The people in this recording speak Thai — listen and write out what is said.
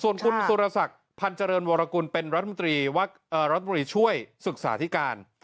ส่วนคุณสุรศักดิ์พันธ์เจริญวรกุลเป็นรัฐมนตรีช่วยศึกษาธิการ